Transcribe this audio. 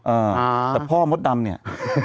อ่าแต่พ่อมดดำเนี่ย